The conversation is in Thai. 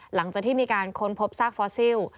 หลังจากที่มีการค้นพบซากฟอสซิล